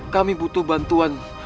kami butuh bantuan